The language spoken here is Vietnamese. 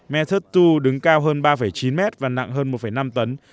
method hai đứng cao hơn ba chín mét và nặng hơn một năm tấn